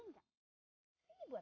yang nomor dua